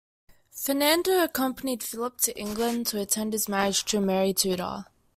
Fernando accompanied Philip to England to attend his marriage to Mary Tudor.